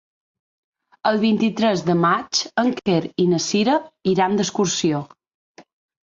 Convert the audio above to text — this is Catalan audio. El vint-i-tres de maig en Quer i na Cira iran d'excursió.